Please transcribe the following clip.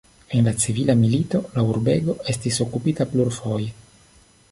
En la civila milito la urbego estis okupita plurfoje.